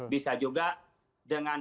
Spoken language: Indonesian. bisa juga dengan